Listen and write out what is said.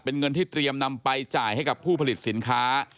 เป็นเงินที่เตรียมนำไปจ่ายให้กับผู้ผลิตสินค้า